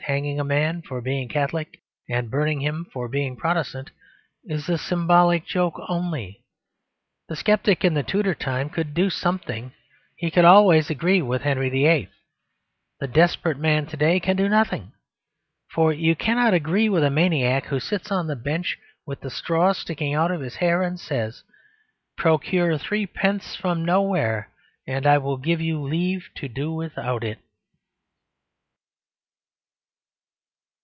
hanging a man for being Catholic and burning him for being Protestant is a symbolic joke only. The sceptic in the Tudor time could do something: he could always agree with Henry VIII. The desperate man to day can do nothing. For you cannot agree with a maniac who sits on the bench with the straws sticking out of his hair and says, "Procure threepence from nowhere and I will give you leave to do without it."